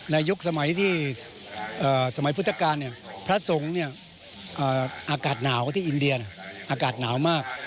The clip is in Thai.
ในยุคสมัยพุทธกาลเนี่ยพระสงฆ์เนี่ยอากาศหนาวที่อินเดียอากาศหนาวมาก